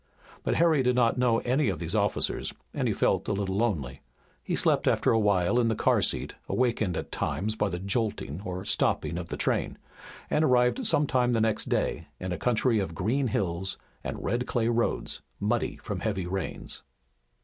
But Harry did not know any of these officers and he felt a little lonely. He slept after a while in the car seat, awakened at times by the jolting or stopping of the train, and arrived some time the next day in a country of green hills and red clay roads, muddy from heavy rains.